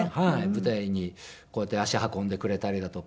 舞台にこうやって足運んでくれたりだとか。